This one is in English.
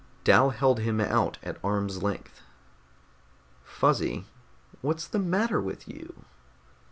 Dal held him out at arm's length. "Fuzzy, _what's the matter with you?